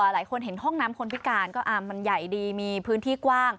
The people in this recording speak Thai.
หลายคนเห็นห้องน้ำคนพิการก็มันใหญ่ดีมีพื้นที่กว้าง